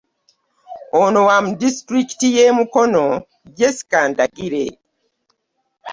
Ono wa mu disitulikiti y'e Mukono, Jessica Ndagire,